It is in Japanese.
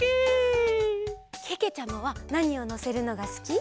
けけちゃまはなにをのせるのがすき？